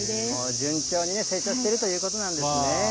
順調に成長しているということなんですね。